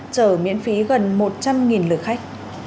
chở miễn phí gần một trăm linh lượt khách